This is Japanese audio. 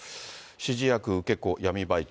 指示役、受け子、闇バイト。